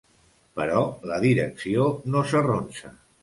Però la direcció no s'arronsa.